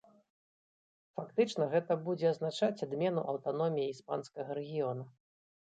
Фактычна гэта будзе азначаць адмену аўтаноміі іспанскага рэгіёна.